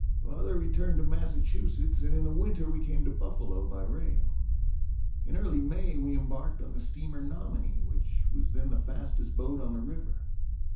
Father returned to Massachusetts and in the winter we came to Buffalo by rail. In early May we embarked on the steamer "Nominee," which was then the fastest boat on the river.